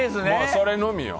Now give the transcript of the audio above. それのみよ。